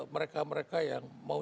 mereka mereka yang mau